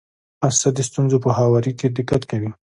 اسد د ستونزو په هواري کي دقت کوي.